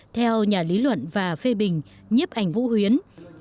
theo nhà lý luận và phê bình nhếp ảnh vũ huyến